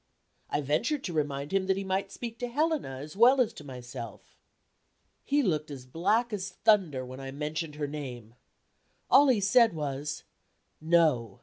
I ventured to remind him that he might speak to Helena as well as to myself. He looked as black as thunder when I mentioned her name. All he said was, "No!"